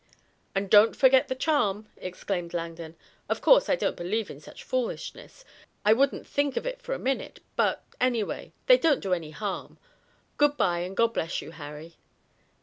"And don't forget the charm!" exclaimed Langdon. "Of course I don't believe in such foolishness, I wouldn't think of it for a minute, but, anyway, they don't do any harm. Good bye and God bless you, Harry."